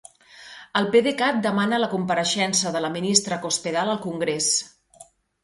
El PxCat demana la compareixença de la ministra Cospedal al Congrés.